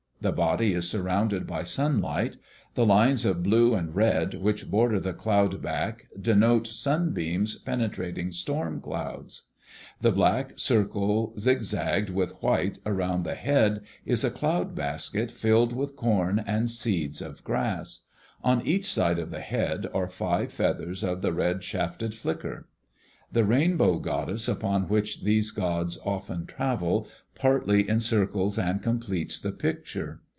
The body is surrounded by sunlight. The lines of blue and red which border the cloud back denote sunbeams penetrating storm clouds. The black circle zig zagged with white around the head is a cloud basket filled with corn and seeds of grass. On each side of the head are five feathers of the red shafted flicker. The Rainbow goddess, upon which these gods often travel, partly encircles and completes the picture.